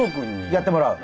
やってもらう？